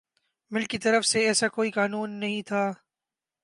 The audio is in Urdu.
مل کی طرف سے ایسا کوئی قانون نہیں تھا